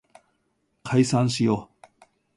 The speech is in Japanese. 解散しよう